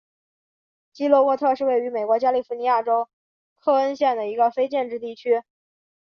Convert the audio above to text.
基洛沃特是位于美国加利福尼亚州克恩县的一个非建制地区。